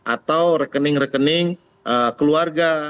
atau rekening rekening keluarga